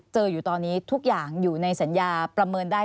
อยู่ตอนนี้ทุกอย่างอยู่ในสัญญาประเมินได้